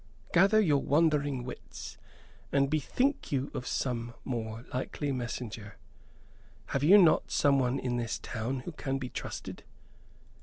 "Gather your wandering wits, and bethink you of some more likely messenger. Have you not someone in this town who can be trusted?"